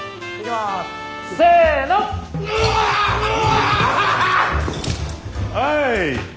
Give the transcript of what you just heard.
はい！